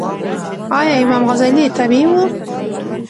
ایا امام غزالې تابعې وه؟